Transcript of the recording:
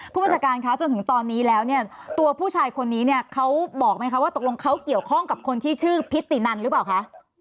พูดบัญชการค่ะจนถึงตอนนี้แล้วตัวผู้ชายคนนี้เขาบอกไหมว่าเค้าเกี่ยวข้องกับคนที่เจ้าชื่อพิธีนานรึเปล่าคะ